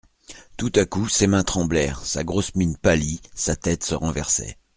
Tout à coup ses mains tremblèrent, sa grosse mine pâlit, sa tête se renversait.